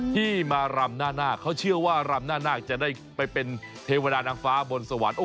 ที่มารำหน้านาคเขาเชื่อว่ารำหน้านาคจะได้ไปเป็นเทวดานางฟ้าบนสวรรค์